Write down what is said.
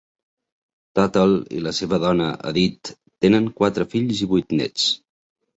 Tatel i la seva dona Edith tenen quatre fills i vuit nets.